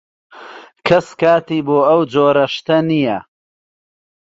کەس کاتی بۆ ئەو جۆرە شتە نییە.